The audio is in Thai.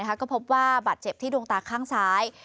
ก็พบว่าบาดเจ็บที่ดวงตาข้างซ้าย